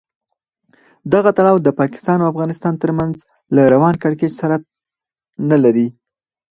دغه تړاو د پاکستان او افغانستان تر منځ له روان کړکېچ سره نه لري.